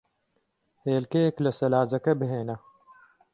هێلکەیەک لە سەلاجەکە بھێنە.